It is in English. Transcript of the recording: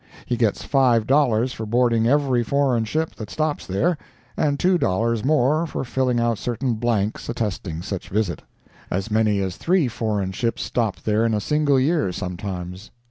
He gets five dollars for boarding every foreign ship that stops there, and two dollars more for filling out certain blanks attesting such visit. As many as three foreign ships stop there in a single year, sometimes.